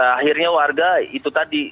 akhirnya warga itu tadi